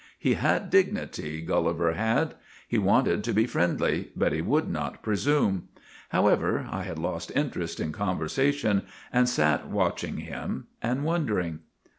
He had dignity, Gulliver had. He wanted to be friendly, but he would not presume. However, I had lost interest in conversation, and sat watching him and wondering.